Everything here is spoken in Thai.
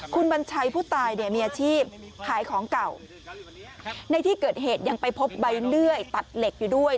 คุณบัญชัยผู้ตายเนี่ยมีอาชีพขายของเก่าในที่เกิดเหตุยังไปพบใบเลื่อยตัดเหล็กอยู่ด้วย